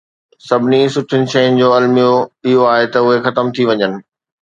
سڀني سٺين شين جو الميو اهو آهي ته اهي ختم ٿي وڃن.